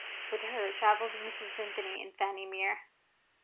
With her travelled Mrs. Vimpany and Fanny Mere.